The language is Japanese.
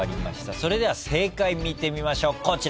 それでは正解見てみましょうこちらです。